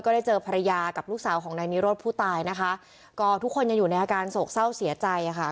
ได้เจอภรรยากับลูกสาวของนายนิโรธผู้ตายนะคะก็ทุกคนยังอยู่ในอาการโศกเศร้าเสียใจค่ะ